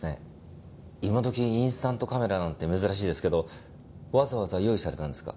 今時インスタントカメラなんて珍しいですけどわざわざ用意されたんですか？